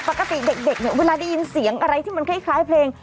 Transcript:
ปกติเด็กเนี่ยเวลาได้ยินเสียงอะไรที่มันคล้ายเพลง